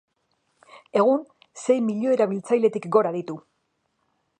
Egun, sei milioi erabiltzailetik gora ditu.